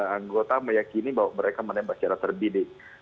anggota meyakini bahwa mereka menembak secara terdidik